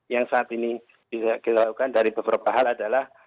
yang saat ini bisa kita lakukan dari beberapa hal adalah